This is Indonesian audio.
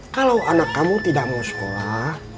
kalau anak kamu tidak mau sekolah